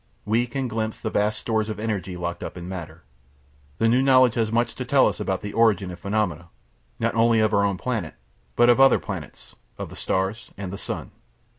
We can glimpse the vast stores of energy locked up in matter. The new knowledge has much to tell us about the origin and phenomena, not only of our own planet, but other planets, of the stars, and the sun.